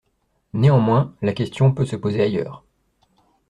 Néanmoins, la question peut se poser ailleurs.